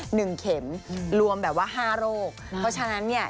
หนึ่งเข็มรวมแบบว่าห้าโรคเพราะฉะนั้นเนี่ย